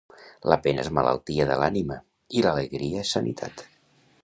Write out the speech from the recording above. La pena és malaltia de l'ànima i l'alegria és sanitat.